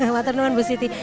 waduh teman bu siti